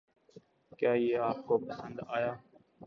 کیا یہ آپ کو پَسند آیا؟